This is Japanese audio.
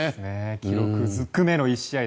記録ずくめの１試合。